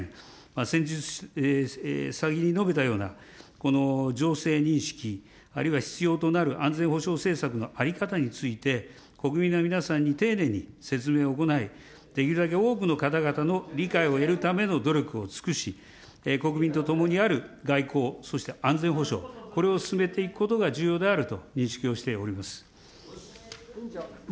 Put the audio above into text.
先日、先に述べたようなこの情勢認識、あるいは必要となる安全保障政策の在り方について、国民の皆さんに丁寧に説明を行い、できるだけ多くの方々の理解を得るための努力を尽くし、国民とともにある外交、そして安全保障、これを進めていくことが重要であると認識をしております。